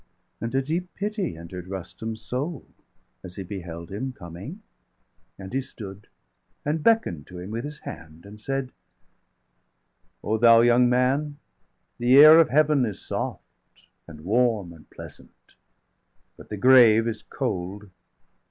°318 And a deep pity enter'd Rustum's soul As he beheld him coming; and he stood, 320 And beckon'd to him with his hand, and said: "O thou young man, the air of Heaven is soft, And warm, and pleasant; but the grave is cold!